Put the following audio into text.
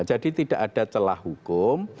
jadi tidak ada celah hukum